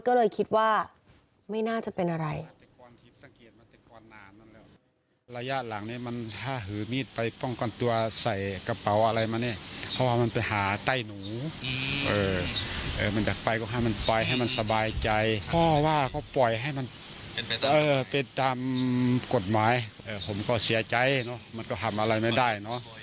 ก็เลยคิดว่าไม่น่าจะเป็นอะไร